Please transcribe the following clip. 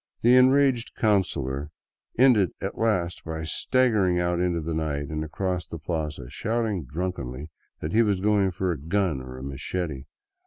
The enraged coun cilor ended at last by staggering out into the night and across the plaza, shouting drunkenly that he was going for a gun or a machete.